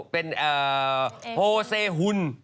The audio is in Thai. เป็นโฮเซฮุน